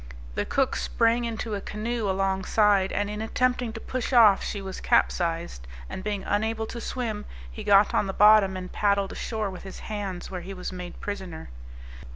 the cook sprang into a canoe along side, and in attempting to push off she was capsized; and being unable to swim, he got on the bottom, and paddled ashore with his hands, where he was made prisoner.